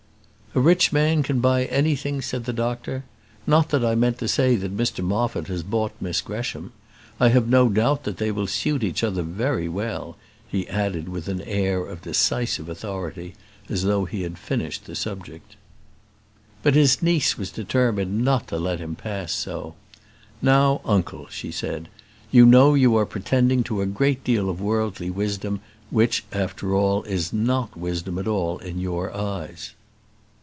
"A rich man can buy anything," said the doctor; "not that I meant to say that Mr Moffat has bought Miss Gresham. I have no doubt that they will suit each other very well," he added with an air of decisive authority, as though he had finished the subject. But his niece was determined not to let him pass so. "Now, uncle," said she, "you know you are pretending to a great deal of worldly wisdom, which, after all, is not wisdom at all in your eyes."